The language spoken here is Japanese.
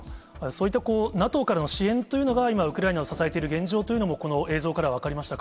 そういったＮＡＴＯからの支援というのが、今、ウクライナを支えている現状というのも、そうですね。